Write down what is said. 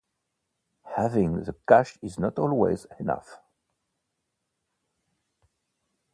Having the cash is not always enough.